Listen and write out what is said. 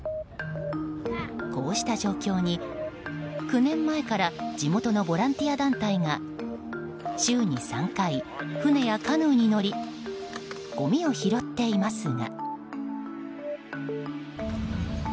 こうした状況に、９年前から地元のボランティア団体が週に３回、船やカヌーに乗りごみを拾っていますが。